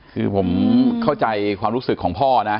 คือผมเข้าใจความรู้สึกของพ่อนะ